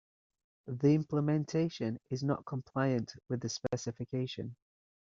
The implementation is not compliant with the specification.